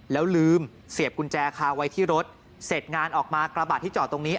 แล้วลืมเสียบกุญแจคาไว้ที่รถเสร็จงานออกมากระบะที่จอดตรงนี้